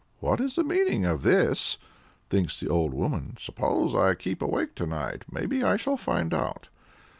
"What's the meaning of this?" thinks the old woman; "suppose I keep awake to night; may be I shall find out."